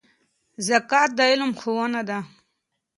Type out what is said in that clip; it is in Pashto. زکات د علم ښوونه ده.